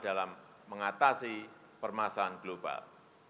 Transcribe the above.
dalam mengatasi permasalahan global